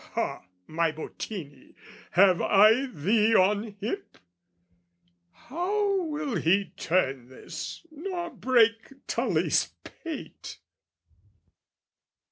Ha, my Bottini, have I thee on hip? How will he turn this nor break Tully's pate?